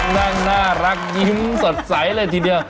นั่งน่ารักยิ้มสดใสเลยทีเดียว